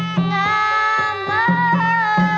ธรรมดา